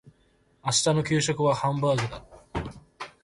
明日の給食はハンバーグだ。